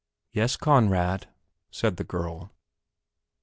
"Yes, Conrad," said the girl.